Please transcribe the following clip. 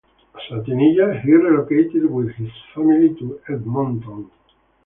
As a teenager, he relocated with his family to Edmonton.